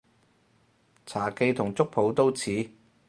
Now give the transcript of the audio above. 茶記同粥舖都似